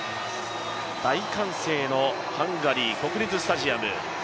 大歓声のハンガリー国立スタジアム。